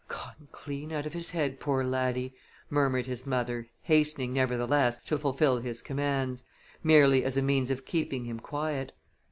"Gone clean out of his head, poor laddy!" murmured his mother, hastening, nevertheless, to fulfil his commands, merely as a means of keeping him quiet.